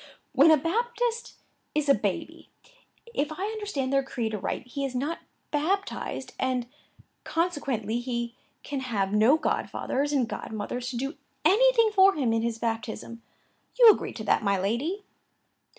"When a Baptist is a baby, if I understand their creed aright, he is not baptized; and, consequently, he can have no godfathers and godmothers to do anything for him in his baptism; you agree to that, my lady?"